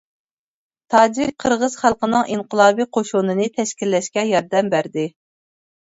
تاجىك، قىرغىز خەلقىنىڭ ئىنقىلابى قوشۇنىنى تەشكىللەشكە ياردەم بەردى.